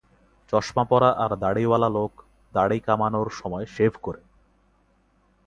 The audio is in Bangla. চশমা পরা আর দাড়িওয়ালা লোক দাড়ি কামানোর সময় শেভ করে।